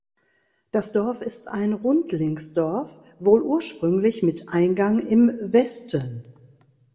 Das Dorf ist ein Rundlingsdorf, wohl ursprünglich mit Eingang im Westen.